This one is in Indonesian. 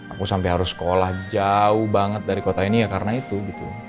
aku sampai harus sekolah jauh banget dari kota ini ya karena itu gitu